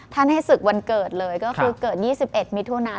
ให้ศึกวันเกิดเลยก็คือเกิด๒๑มิถุนา